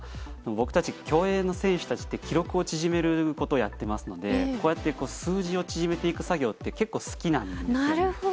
僕たち、競泳の選手たちって記録を縮めることをやっていますのでこういった数字を縮めていく作業って結構好きなんですよ。